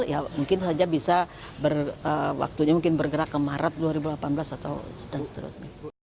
ya mungkin saja bisa bergerak ke maret dua ribu delapan belas atau seterusnya